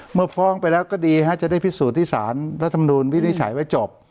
เมื่อฟ้องไปแล้วก็ดีจะได้พิสูจน์ที่สารรัฐมนูลวินิจฉัยไว้จบ